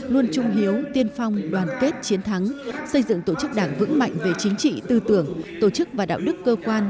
luôn trung hiếu tiên phong đoàn kết chiến thắng xây dựng tổ chức đảng vững mạnh về chính trị tư tưởng tổ chức và đạo đức cơ quan